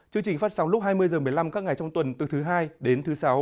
chương trình phát sóng lúc hai mươi h một mươi năm các ngày trong tuần từ thứ hai đến thứ sáu